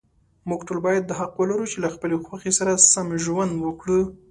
موږ ټول باید دا حق ولرو، چې له خپلې خوښې سره سم ژوند وکړو.